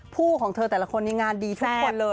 ของเธอแต่ละคนในงานดีทุกคนเลย